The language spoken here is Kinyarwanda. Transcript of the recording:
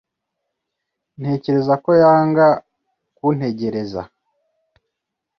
Ntekereza ko yanga kuntegereza.